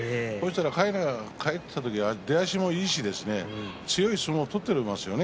かいなが返した時は出足もいいし強い相撲を取ってますよね